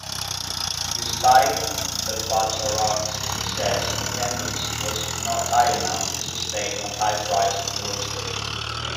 Despite the Bacharachs' success, attendance was not high enough to sustain their high-priced roster.